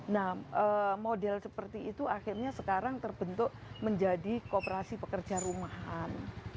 nah model seperti itu akhirnya sekarang terbentuk menjadi kooperasi pekerja rumahan